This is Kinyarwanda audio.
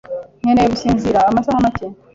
Nkeneye gusinzira amasaha make.